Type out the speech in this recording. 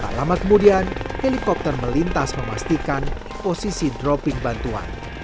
tak lama kemudian helikopter melintas memastikan posisi dropping bantuan